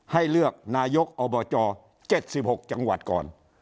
ให้เลือกนายกอบจ๗๖จังหวัดก่อน